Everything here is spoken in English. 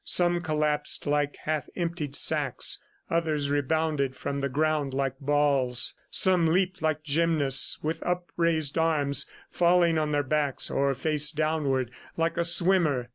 Some collapsed like half emptied sacks; others rebounded from the ground like balls; some leaped like gymnasts, with upraised arms, falling on their backs, or face downward, like a swimmer.